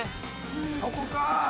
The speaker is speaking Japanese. そこか！